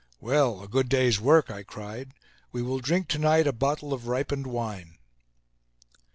"Well, a good day's work!" I cried. "We will drink to night a bottle of ripened wine."